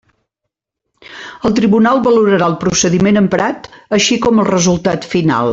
El tribunal valorarà el procediment emprat, així com el resultat final.